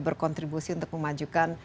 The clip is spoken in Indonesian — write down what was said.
berkontribusi untuk memajukan